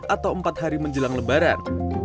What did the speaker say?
atau empat hari menjelang lebaran